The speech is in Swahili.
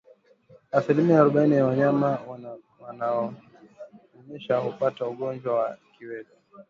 Asilimia arobaini ya wanyama wanaonyonyesha hupata ugonjwa wa kiwele